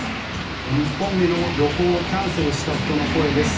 日本への旅行をキャンセルした人の声です。